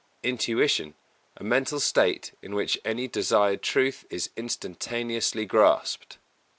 Intuition a mental state in which any desired truth is instantaneously grasped.